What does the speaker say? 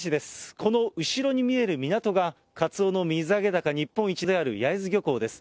この後ろに見える港がカツオの水揚げ高日本一である焼津漁港です。